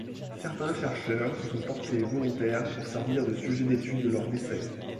Certains chercheurs se sont portés volontaires pour servir de sujets d'études lors d'essais.